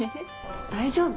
大丈夫？